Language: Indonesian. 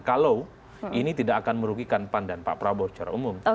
kalau ini tidak akan merugikan pan dan pak prabowo secara umum